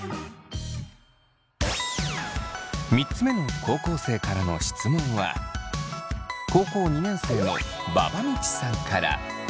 ３つ目の高校生からの質問は高校２年生のばばみちさんから。